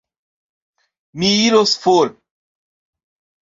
Mi iros for.